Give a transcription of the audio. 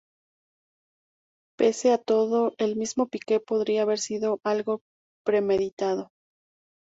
Pese a todo, el mismo pique podría haber sido algo premeditado.